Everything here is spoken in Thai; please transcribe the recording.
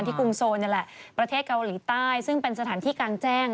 กรุงโซนนี่แหละประเทศเกาหลีใต้ซึ่งเป็นสถานที่กลางแจ้ง